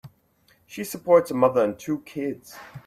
She supports a mother and two kids.